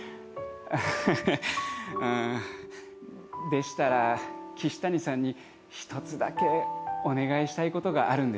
でしたらキシタニさんに一つだけお願いしたいことがあるんですけど。